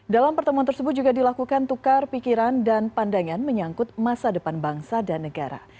dalam pertemuan tersebut juga dilakukan tukar pikiran dan pandangan menyangkut masa depan bangsa dan negara